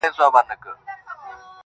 پښتنه ده آخير.